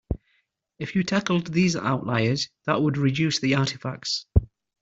If you tackled these outliers that would reduce the artifacts.